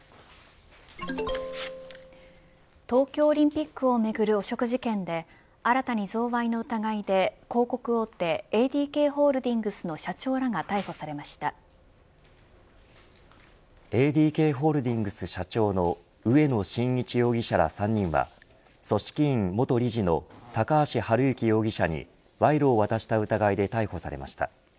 東京オリンピックをめぐる汚職事件で新たに贈賄の疑いで広告大手ＡＤＫホールディングスのＡＤＫホールディングス社長の植野伸一容疑者ら３人は組織委の元理事の高橋治之容疑者に賄賂を渡した疑いで逮捕されました。